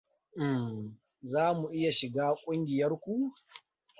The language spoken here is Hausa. Um... za mu iya shiga kungiyarku?